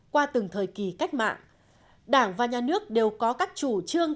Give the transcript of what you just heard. qua từng thời kỳ cách mạng đảng và nhà nước đều có các chủ trương